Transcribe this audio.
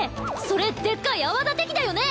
それでっかい泡立て器だよね！？